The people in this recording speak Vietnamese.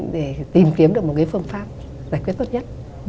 để tìm kiếm được một cái phương pháp giải quyết tốt nhất